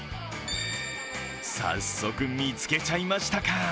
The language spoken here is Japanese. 早速、見つけちゃいましたか。